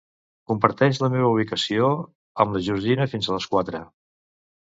Comparteix la meva ubicació amb la Georgina fins a les quatre.